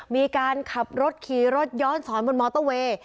มีการขับรถขี่รถย้อนสอนบนมอเตอร์เวย์